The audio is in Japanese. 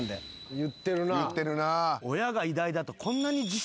言ってるな。